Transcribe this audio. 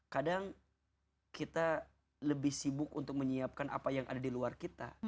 kadang kita lebih sibuk untuk menyiapkan apa yang ada di luar kita